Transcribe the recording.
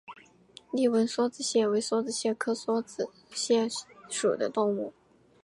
丽纹梭子蟹为梭子蟹科梭子蟹属的动物。